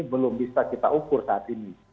belum bisa kita ukur saat ini